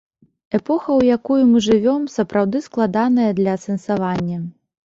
Эпоха, у якую мы жывём, сапраўды складаная для асэнсавання.